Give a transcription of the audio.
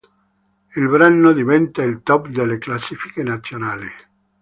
Il brano diventa il top delle classifiche nazionali.